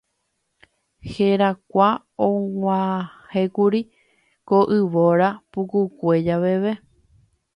Herakuã og̃uahẽkuri ko yvóra pukukue javeve.